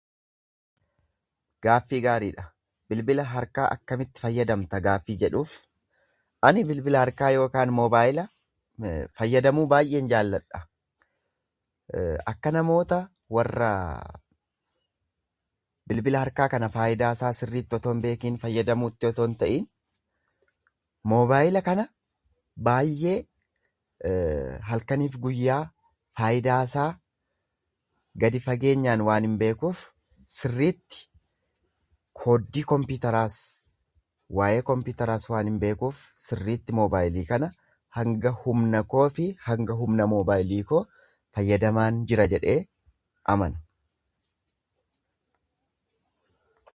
Gaaffii gaariidha. Bilbila harkaa akkamitti fayyadamta gaaffii jedhuuf, ani bilbila harkaa yookaan moobaayila fayyadamuu baayyeen jaalladha. Akka namoota warra bilbila harkaa kana faayidaa isaa sirriitti osoo hin beekiin fayyadamuutti osoo ta'iin, moobaayila kana baayyee halkaniif guyyaa faayidaa isaa gadi fageenyaan waanin beekuuf, sirriitti kooddii kompiiteraas, waa'ee kompiiteraas waanin beekuuf, sirriitti moobaayilii kana, hanga humna koo fi humna moobaayilii koo fayyadamaan jira jedhee amana.